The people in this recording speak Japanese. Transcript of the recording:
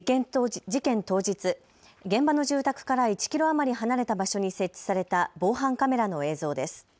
こちらは事件当日、現場の住宅から１キロ余り離れた場所に設置された防犯カメラの映像です。